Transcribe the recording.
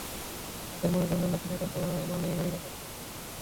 লাশের ময়নাতদন্তের জন্য সিলেট ওসমানী মেডিকেল কলেজ হাসপাতালের মর্গে পাঠানো হয়েছে।